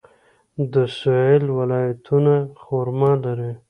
د سویل ولایتونه خرما لري.